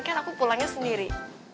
kan aku pulangnya sendiri